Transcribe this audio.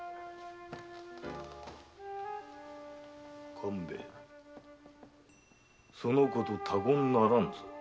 勘兵衛そのこと他言ならぬぞ。